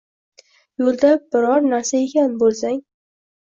Yo‘lda biror narsa yegan bo‘lsang